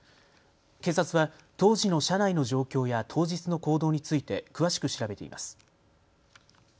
警察は当時の車内の状況や当日の行動について詳しく調べています。